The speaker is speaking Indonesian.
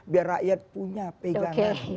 biar rakyat punya pegangan